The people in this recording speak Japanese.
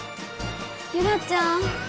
ユラちゃん。